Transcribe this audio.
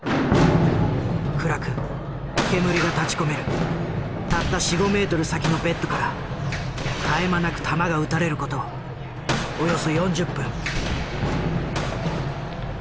暗く煙が立ちこめるたった４５ｍ先のベッドから絶え間なく弾が撃たれる事およそ４０分。